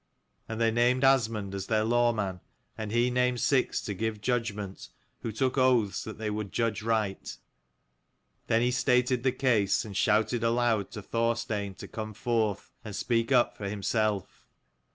And they named Asmund their lawman, and he named six to give judgment, who took oaths that they would judge right. Then he stated the case, and shouted aloud to Thorstein to come forth, and speak up for himself.